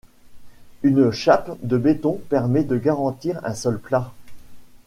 une chape de béton permet de garantir un sol plat